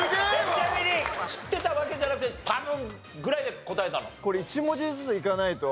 ちなみに知ってたわけじゃなくて多分ぐらいで答えたの？